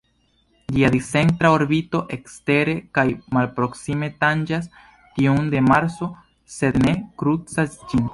Ĝia discentra orbito ekstere kaj malproksime tanĝas tiun de Marso, sed ne krucas ĝin.